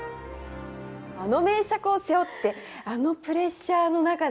あの名作を背負ってあのプレッシャーの中で。